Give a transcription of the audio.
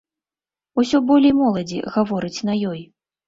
Усё болей моладзі гаворыць на ёй.